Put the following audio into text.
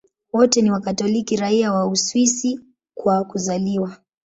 Wote ni Wakatoliki raia wa Uswisi kwa kuzaliwa.